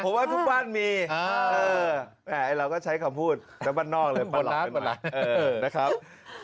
ผมว่าทุกบ้านมีแหละเราก็ใช้คำพูดไปบ้านนอกเลยปลอดภัยหน่อย